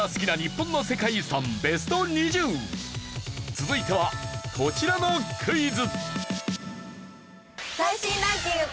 続いてはこちらのクイズ。